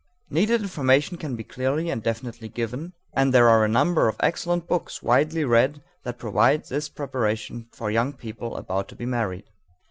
Needed information can be clearly and definitely given, and there are a number of excellent books, widely read, that provide this preparation for young people about to be married.